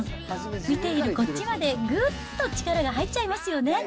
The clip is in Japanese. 見ているこっちまで、ぐっと力が入っちゃいますよね。